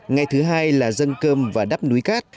ngày thứ hai là dân cơm và đắp núi cát